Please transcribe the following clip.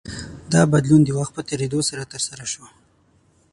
دا بدلون د وخت په تېرېدو ترسره شو.